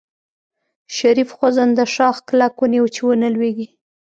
شريف خوځنده شاخ کلک ونيو چې ونه لوېږي.